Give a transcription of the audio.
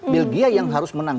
belgia yang harus menang